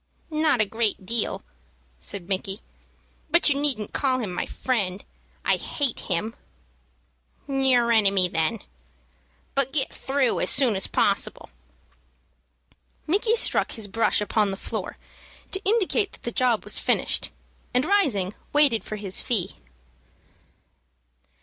"Not a great deal," said Micky; "but you needn't call him my friend. I hate him." "Your enemy, then. But get through as soon as possible." Micky struck his brush upon the floor to indicate that the job was finished, and, rising, waited for his fee.